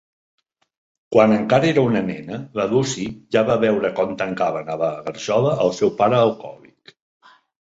Quan encara era una nena, la Lucy ja va veure com tancaven a la garjola el seu pare alcohòlic.